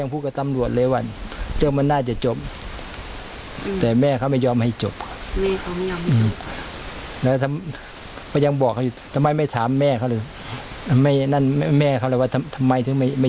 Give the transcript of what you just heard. พูดขึ้นมาก็คิดว่าเป็นปลา